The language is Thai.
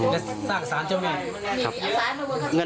และสร้างศาลเจ้าแม่